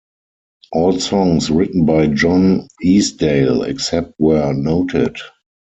All songs written by John Easdale, except where noted.